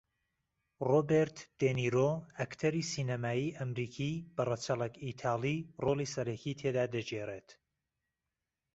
رۆبێرت دێنیرۆ ئەکتەری سینەمایی ئەمریکی بە رەچەڵەک ئیتاڵی رۆڵی سەرەکی تێدا دەگێڕێت